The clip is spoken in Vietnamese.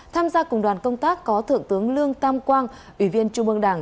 tham gia cùng đoàn công tác có thượng tướng lương tam quang ủy viên trung ương đảng